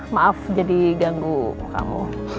maaf jadi ganggu kamu